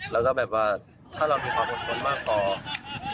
แล้วก็แบบว่าถ้าเรามีความอดทนมากพอ